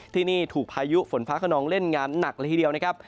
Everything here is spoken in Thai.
ที่นี่ถูกพายุฝนฟ้าขนองเล่นงานหนักเลยทีเดียวนะครับ